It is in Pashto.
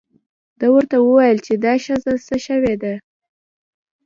ده ورته وویل چې دا ښځه څه شوې ده.